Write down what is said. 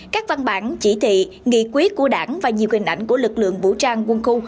các văn bản chỉ thị nghị quyết của đảng và nhiều hình ảnh của lực lượng vũ trang quân khu